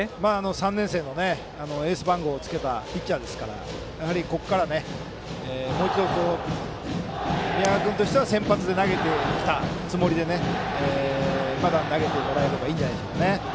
３年生のエース番号をつけたピッチャーなのでここから、もう一度宮川君としては先発で投げてきたつもりでまだ投げてもらえればいいんじゃないでしょうかね。